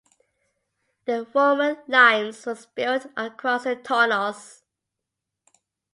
The Roman Limes was built across the Taunus.